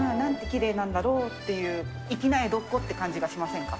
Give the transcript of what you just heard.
きれいなんだろうっていう、粋な江戸っ子って感じがしませんか？